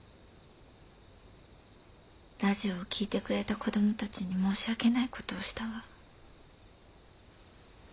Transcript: ラジオを聞いてくれた子どもたちに申し訳ない事をしたわ。